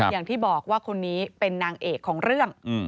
อย่างที่บอกว่าคนนี้เป็นนางเอกของเรื่อง